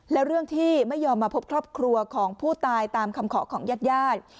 แล้วเรื่องที่ไม่ยอมมาพบครอบครัวของผู้ตายตามคำขอของญาติญาติ